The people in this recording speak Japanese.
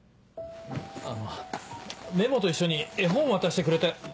あのメモと一緒に絵本渡してくれた。